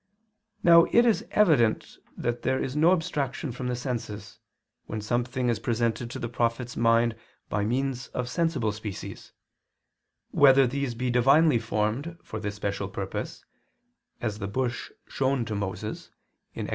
Now it is evident that there is no abstraction from the senses, when something is presented to the prophet's mind by means of sensible species whether these be divinely formed for this special purpose, as the bush shown to Moses (Ex.